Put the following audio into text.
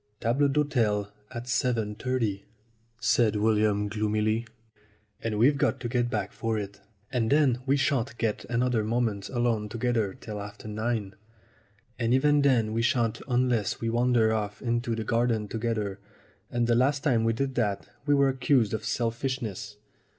"Table d'hote at 7.30," said William gloomily, "and we've got to get back for it. And then we shan't get another moment alone together till after nine. And even then we shan't unless we wander off into the garden together, and the last time we did that we were accused of selfishness.